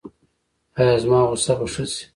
ایا زما غوسه به ښه شي؟